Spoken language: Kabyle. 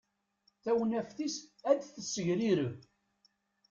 Tawnafit-is ad t-tessegrireb.